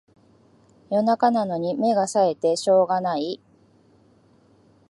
夜中なのに目がさえてしょうがない